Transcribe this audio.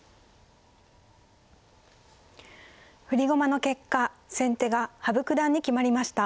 振り駒の結果先手が羽生九段に決まりました。